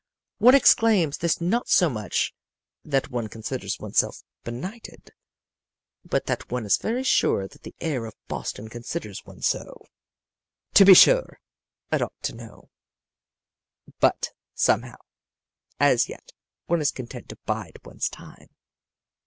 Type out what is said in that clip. One exclaims this not so much that one considers oneself benighted, but that one is very sure that the air of Boston considers one so. To be sure, it ought to know, but, somehow, as yet one is content to bide one's time.